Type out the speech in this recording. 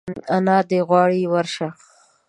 انا دي غواړي ورشه !